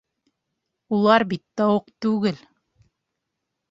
Улар бит тауыҡ түгел...